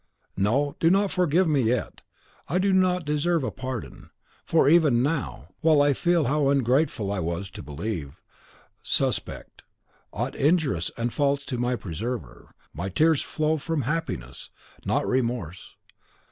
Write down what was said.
"No, do not forgive me yet. I do not deserve a pardon; for even now, while I feel how ungrateful I was to believe, suspect, aught injurious and false to my preserver, my tears flow from happiness, not remorse.